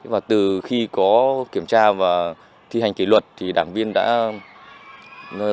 và từ khi có kiểm tra và thi hành kỳ luật thì đảng viên đã khắc phục